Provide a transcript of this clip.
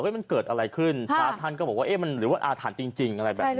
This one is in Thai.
มันเกิดอะไรขึ้นพระท่านก็บอกว่าเอ๊ะมันหรือว่าอาถรรพ์จริงอะไรแบบนี้